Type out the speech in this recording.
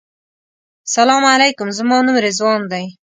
سلام علیکم زما نوم رضوان دی.